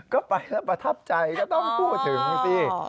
ก็ไปแล้วประทับใจก็ต้องพูดถึงสิ